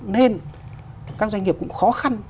nên các doanh nghiệp cũng khó khăn